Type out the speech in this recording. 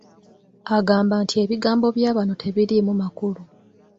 Agamba nti ebigambo bya bano tebiriimu makulu.